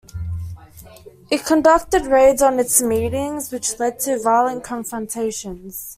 It conducted raids on its meetings, which led to violent confrontations.